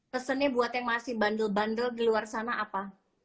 pesannya buat yang masih bandel bandel di luar sana apa